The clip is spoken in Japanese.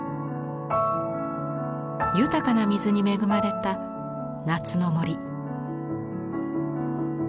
豊かな水に恵まれた夏の森。